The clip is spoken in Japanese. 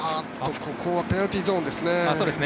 ここはペナルティーゾーンですね。